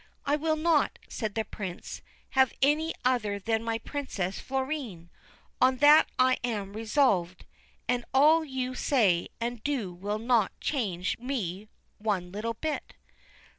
' I will not,' said the Prince, ' have any other than my Princess Florine ; on that I am resolved, and all you say and do will not change me one little bit.'